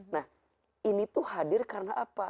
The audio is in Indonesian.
nah ini tuh hadir karena apa